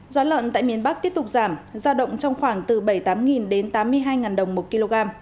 giá lợn tại miền bắc tiếp tục giảm giao động trong khoảng từ bảy mươi tám đến tám mươi hai đồng một kg